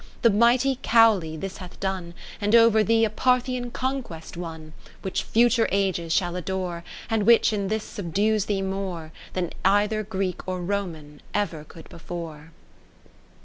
The mighty Cowley this hath done, And over thee a Parthian conquest won : Which future ages shall adore, And which in this subdues thee more Than either Greek or Roman ever could before.